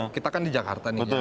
kita kan di jakarta nih